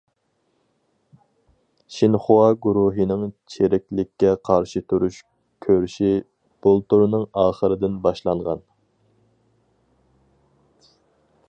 شىنخۇا گۇرۇھىنىڭ چىرىكلىككە قارشى تۇرۇش كۈرىشى بۇلتۇرنىڭ ئاخىرىدىن باشلانغان.